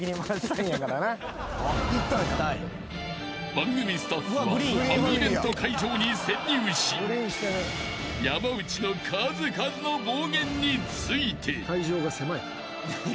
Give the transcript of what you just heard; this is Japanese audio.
［番組スタッフはファンイベント会場に潜入し山内の数々の暴言について直接］